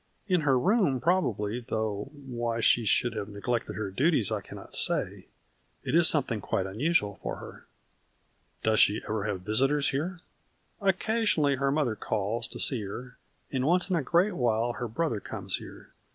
"" In her room probably, though why she should have neglected her duties I cannot say. It is something quite unusual for her." " Does she ever have visitors here ?"" Occasionally her mother calls to see her, and once in a great while her brother comes here.